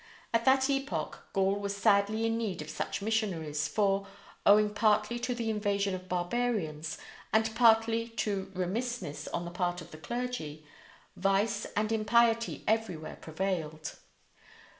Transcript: At that epoch Gaul was sadly in need of such missionaries, for, owing partly to the invasion of barbarians and partly to remissness on the part of the clergy, vice and impiety everywhere prevailed.